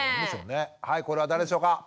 これは誰でしょうか？